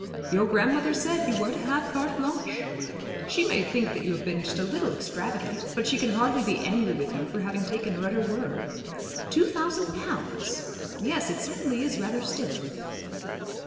'Your grandmother said you were to have carte blanche. She may think that you have been just a little extravagant; but she can hardly be angry with you for having taken her at her word. Two thousand pounds! Yes, it certainly is rather stiff.'